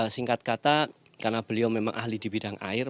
singkat kata karena beliau memang ahli di bidang air